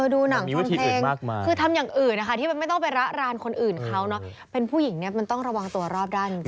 ดูหนังฟังเพลงคือทำอย่างอื่นนะคะที่มันไม่ต้องไประรานคนอื่นเขาเนอะเป็นผู้หญิงเนี่ยมันต้องระวังตัวรอบด้านจริง